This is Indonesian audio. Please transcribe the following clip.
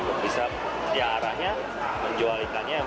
bisa diarahnya menjual ikannya